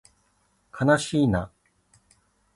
かなしいな